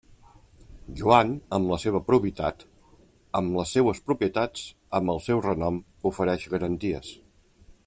Joan, amb la seua probitat, amb les seues propietats, amb el seu renom, ofereix garanties.